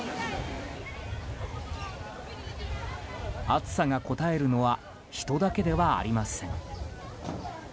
暑さがこたえるのは人だけではありません。